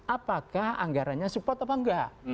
apakah anggaranya support atau enggak